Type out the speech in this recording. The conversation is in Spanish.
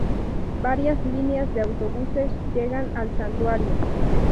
Varias líneas de autobuses llegan al santuario.